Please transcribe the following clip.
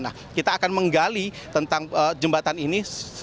nah kita akan menggali tentang jembatan ini